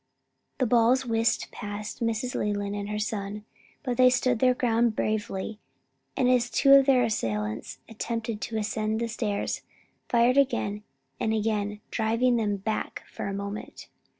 The balls whistled past Mrs. Leland and her son, but they stood their ground bravely, and as two of their assailants attempted to ascend the stairs; fired again and again driving them back for a moment.